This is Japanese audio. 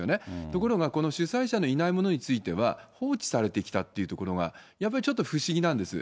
ところがこの主催者のいないものについては放置されてきたというところが、やっぱりちょっと不思議なんです。